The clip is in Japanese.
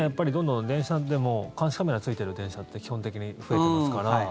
今、どんどん電車でも監視カメラついてる電車って基本的に増えてますから。